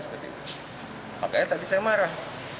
makanya tadi saya marah